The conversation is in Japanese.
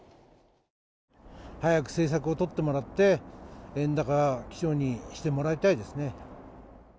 早く政策をとってもらって円高基調にしてもらいたいですね。